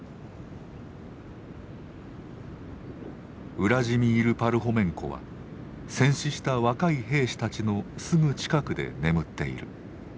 ウラジミール・パルホメンコは戦死した若い兵士たちのすぐ近くで眠っている。